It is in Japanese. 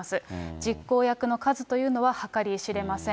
実行役の数というのは計り知れません。